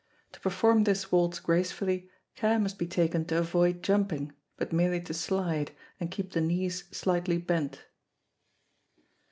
To perform this waltz gracefully, care must be taken to avoid jumping, but merely to slide, and keep the knees slightly bent.